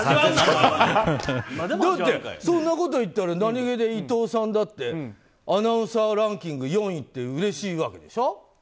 だってそんなこといったら伊藤さんだってアナウンサーランキング４位ってうれしいわけでしょ。